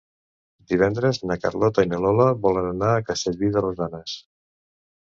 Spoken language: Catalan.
Divendres na Carlota i na Lola volen anar a Castellví de Rosanes.